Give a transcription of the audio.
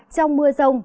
trong mưa rông